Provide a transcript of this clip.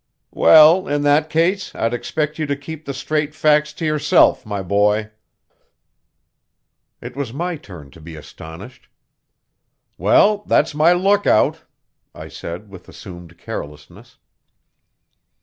"Well, in that case, I'd expect you to keep the straight facts to yourself, my boy." It was my turn to be astonished. "Well, that's my lookout," I said with assumed carelessness.